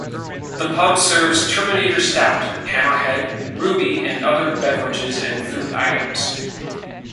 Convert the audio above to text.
The pub serves Terminator Stout, Hammerhead, Ruby and other beverages and food items.